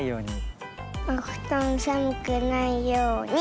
おふとんさむくないように！